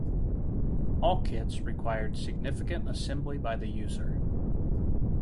All kits required significant assembly by the user.